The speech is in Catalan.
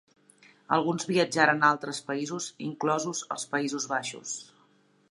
Alguns viatjaren a altres països, inclosos els Països Baixos.